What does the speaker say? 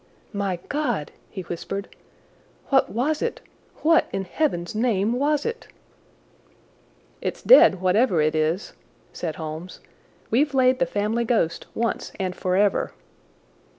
"My God!" he whispered. "What was it? What, in heaven's name, was it?" "It's dead, whatever it is," said Holmes. "We've laid the family ghost once and forever."